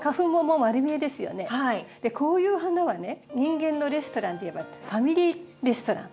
こういう花はね人間のレストランでいえばファミリーレストラン。